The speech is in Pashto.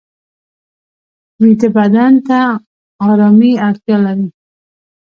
ویده بدن ته آرامي اړتیا لري